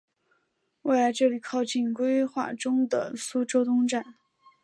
未来这里靠近规划中的苏州东站。